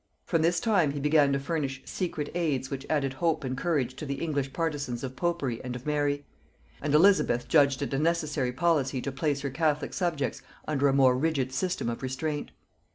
From this time he began to furnish secret aids which added hope and courage to the English partisans of popery and of Mary; and Elizabeth judged it a necessary policy to place her catholic subjects under a more rigid system of restraint.